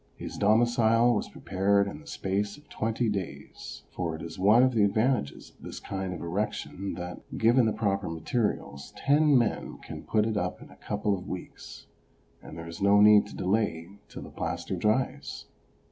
His domicile was prepared in the space of twenty days, for it is one of the advantages of this kind of erection that, given the proper materials, ten men can put it up in a couple of weeks, and there is no need to delay till the plaster dries.